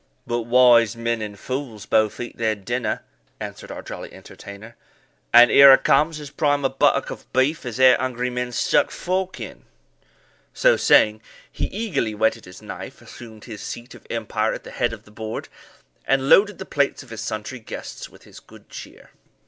"But wise men and fools both eat their dinner," answered our jolly entertainer; "and here a comes as prime a buttock of beef as e'er hungry men stuck fork in." So saying, he eagerly whetted his knife, assumed his seat of empire at the head of the board, and loaded the plates of his sundry guests with his good cheer.